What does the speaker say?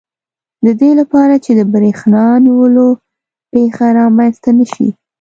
د دې لپاره چې د بریښنا نیولو پېښه رامنځته نه شي.